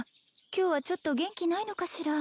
今日はちょっと元気ないのかしら